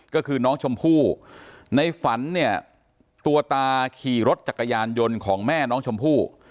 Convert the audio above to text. ก็คือน้องชมพู่ในฝันเนี่ยตัวตาขี่รถจักรยานยนต์ของแม่น้องชมพู่